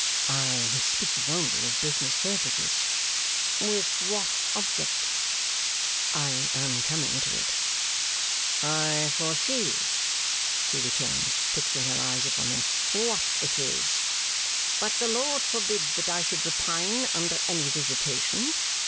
'I was speaking only of business purposes.' 'With what object?' 'I am coming to it.' 'I foresee,' she returned, fixing her eyes upon him, 'what it is. But the Lord forbid that I should repine under any visitation.